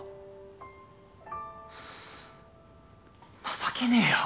情けねえよ。